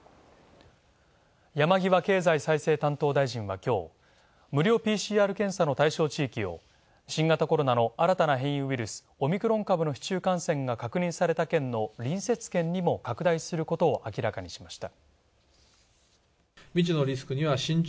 山際経済再生担当大臣は今日、無料ＰＣＲ検査の対象地域を、新型コロナの新たな変異ウイルス、オミクロン株の市中感染が確認された県の隣接県にも拡大することを明らかにしました。